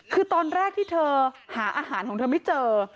คือตอนแรกที่เธอหาอาหารของเธอไม่เจอ